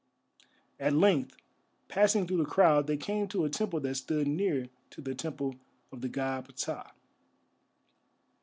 At length, passing through the crowd, they came to a temple that stood near to the Temple of the God Ptah.